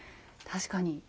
確かに。